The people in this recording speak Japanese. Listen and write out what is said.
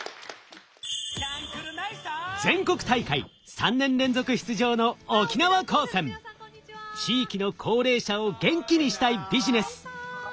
全国大会３年連続出場の地域の高齢者を元気にしたいビジネス。